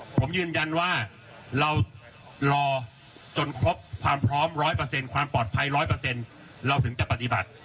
ผมยืนยันว่าเรารอจนครบความพร้อม๑๐๐ความปลอดภัย๑๐๐เราถึงจะปฏิบัติ